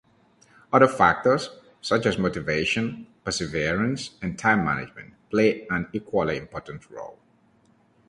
Other factors, such as motivation, perseverance, and time management, play an equally important role.